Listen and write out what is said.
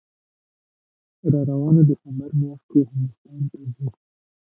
راروانه دسامبر میاشت کې هندوستان ته ځي